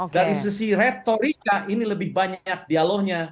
dari sisi retorika ini lebih banyak dialognya